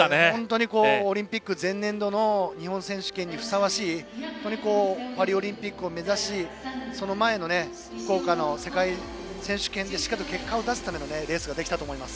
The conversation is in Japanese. オリンピック前年度の日本選手権にふさわしいパリオリンピックを目指しその前の福岡の世界選手権でしっかりと結果を出すためのレースができたと思います。